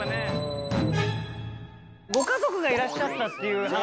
ご家族がいらっしゃったっていう話。